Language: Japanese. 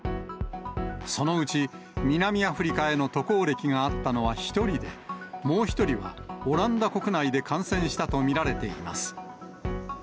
そのうち、南アフリカへの渡航歴があったのは１人で、もう１人は、オランダ国内で感染したと見られています。